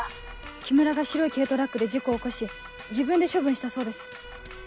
木村が白い軽トラックで事故を起こし自分で処分したそうです。